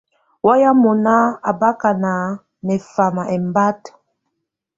Wayɛ̀á mɔnà á bakà ná nɛfama ɛmbata.